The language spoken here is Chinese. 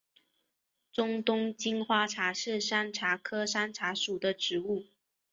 中东金花茶是山茶科山茶属的植物。